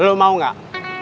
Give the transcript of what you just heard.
lu mau gak